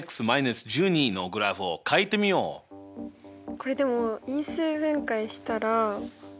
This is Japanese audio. これでも因数分解したら。